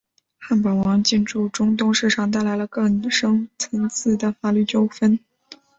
汉堡王进驻中东市场带来了更深层次的法律纠纷。